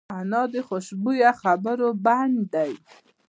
انا د خوشبویه خبرو بڼ دی